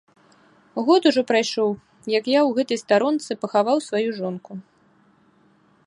Год ужо прайшоў, як я ў гэтай старонцы пахаваў сваю жонку.